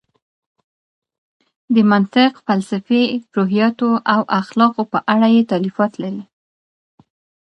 د منطق، فلسفې، روحیاتو او اخلاقو په اړه یې تالیفات لري.